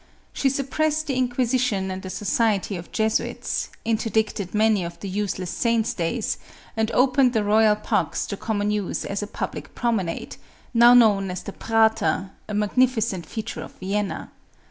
She suppressed the Inquisi tion and the society of Jesuits, interdicted many of the useless saint's days, and opened the royal parks to com mon use as a public promenade, now known as the Prater — a magnificent feature of Vienna.